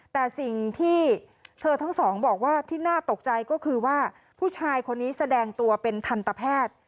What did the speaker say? แต่สิ่งที่เธอทั้งสองบอกว่าที่น่าตกใจก็คือว่าผู้ชายคนนี้แสดงตัวเป็นทันตแพทย์